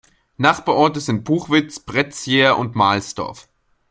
Nachbarorte sind Buchwitz, Pretzier und Mahlsdorf.